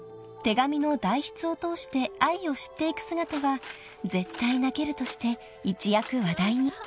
［手紙の代筆を通して愛を知っていく姿は絶対泣けるとして一躍話題に］